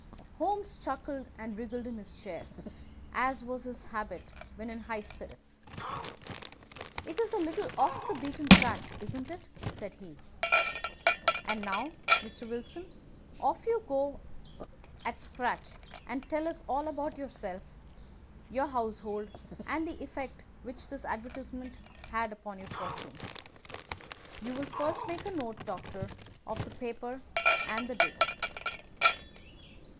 Holmes chuckled and wriggled in his chair, as was his habit when in high spirits. "It is a little off the beaten track, isn't it?" said he. "And now, Mr. Wilson, off you go at scratch and tell us all about yourself, your household, and the effect which this advertisement had upon your fortunes. You will first make a note, Doctor, of the paper and the date."